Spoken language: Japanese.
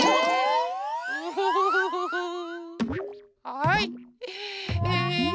はい。